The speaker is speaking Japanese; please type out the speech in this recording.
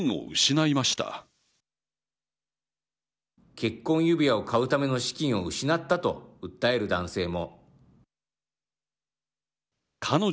結婚指輪を買うための資金を失ったと訴える男性も。